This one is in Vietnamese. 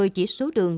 một mươi chỉ số đường